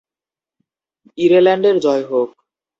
ইরেল্যান্ডের জয় হোক!